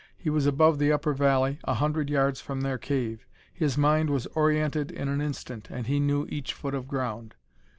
He was above the upper valley, a hundred yards from their cave: his mind was oriented in an instant, and he knew each foot of ground.